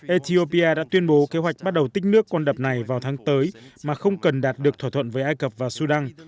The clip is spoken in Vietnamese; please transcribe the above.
ethiopia đã tuyên bố kế hoạch bắt đầu tích nước con đập này vào tháng tới mà không cần đạt được thỏa thuận với ai cập và sudan